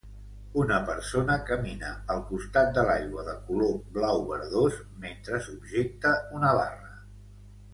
Una persona camina al costat de l'aigua de color blau verdós mentre subjecta una barra.